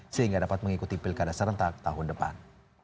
sehingga dapat mengikuti pilkada serentak tahun depan